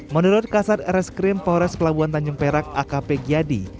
menurut kasar rs krim forest pelabuhan tanjung perak akp gyadi